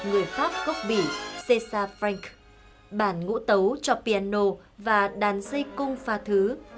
người pháp gốc bỉ césar frank bản ngũ tấu cho piano và đàn dây cung pha thứ